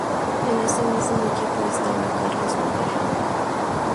En este mismo equipo estaba Carlos Valderrama.